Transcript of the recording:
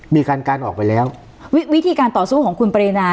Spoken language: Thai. มีการการออกไปแล้ววิธีการต่อสู้ของคุณปรินา